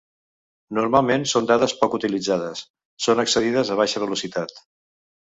Normalment són dades poc utilitzades, són accedides a baixa velocitat.